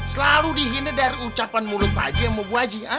selalu dihina dari ucapan mulut pak aji sama bu aji